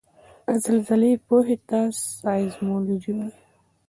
د زلزلې پوهې ته سایزمولوجي وايي